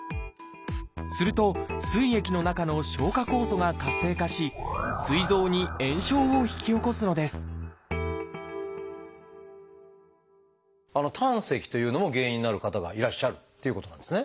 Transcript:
するとすい液の中の消化酵素が活性化しすい臓に炎症を引き起こすのです胆石というのも原因になる方がいらっしゃるっていうことなんですね。